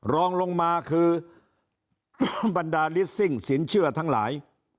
รองลงมาคือบรรดาลิสซิ่งสินเชื่อทั้งหลาย